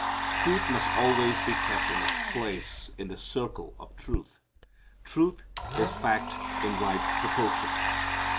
Truth must always be kept in its place in the circle of truth. Truth is fact in right proportion.